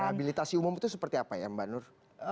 rehabilitasi umum itu seperti apa ya mbak nur